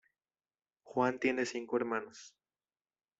Juan tiene cinco hermanos.